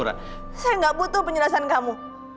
karena saya nggak butuh penjelasan kamu